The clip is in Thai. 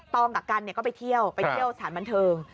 องกับกันก็ไปเที่ยวไปเที่ยวสถานบันเทิง